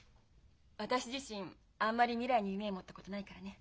私自身あんまり未来に夢を持ったことないからね。